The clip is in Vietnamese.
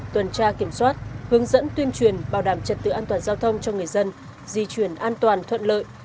tuần tra kiểm soát hướng dẫn tuyên truyền bảo đảm trật tự an toàn giao thông cho người dân di chuyển an toàn thuận lợi